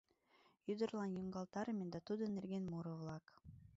Ӱдырлан йоҥгалтарыме да тудын нерген муро-влак.